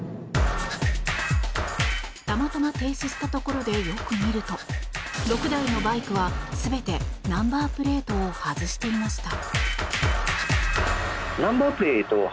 たまたま停車したところでよく見ると６台のバイクは全てナンバープレートを外していました。